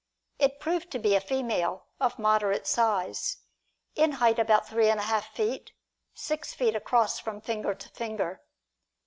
It proved to be a female, of moderate size, in height about three and a half feet, six feet across from finger to finger.